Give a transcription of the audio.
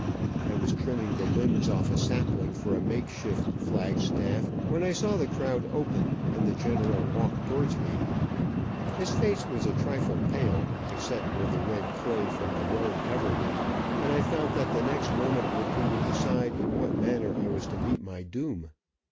I was trimming the limbs off a sapling for a makeshift flag staff, when I saw the crowd open, and the general walked towards me. His face was a trifle pale, except where the red clay from the road covered it, and I felt that the next moment or two would decide in what manner I was to meet my doom.